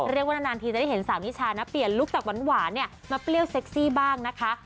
นานทีจะได้เห็นสาวนิชานะเปลี่ยนลุคจากหวานเนี่ยมาเปรี้ยวเซ็กซี่บ้างนะคะ